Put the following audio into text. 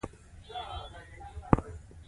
په دې سیمه کې ډیر ښایسته باغونه او ونې شته دي